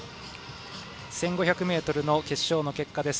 １５００ｍの決勝の結果です。